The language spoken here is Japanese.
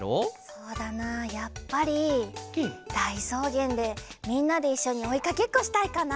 そうだなやっぱりだいそうげんでみんなでいっしょにおいかけっこしたいかな。